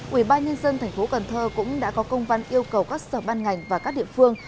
quỹ ba nhân dân thành phố cần thơ cũng đã có công văn yêu cầu các sở ban ngành và các địa phương